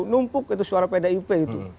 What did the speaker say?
numpuk itu suara pdip itu